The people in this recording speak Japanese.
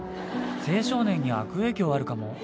青少年に悪影響あるかも。